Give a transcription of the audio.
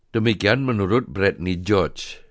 demikian menurut brittany george